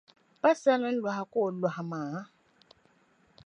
Pa saliŋ' lɔha ka o lɔhi maa?